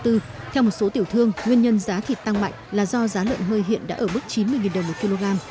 theo một số tiểu thương nguyên nhân giá thịt tăng mạnh là do giá lợn hơi hiện đã ở mức chín mươi đồng một kg